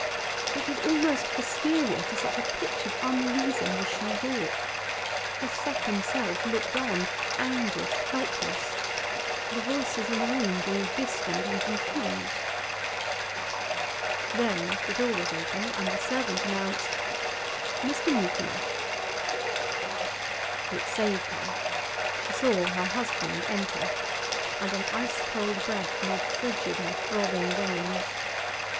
It was almost hysteria, to such a pitch of unreason was she wrought. Her second self looked on, anguished, helpless. The voices in the room grew distant and confused. Then the door was opened and the servant announced 'Mr. Mutimer.' It saved her. She saw her husband enter, and an ice cold breath made frigid her throbbing veins.